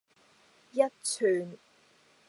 一串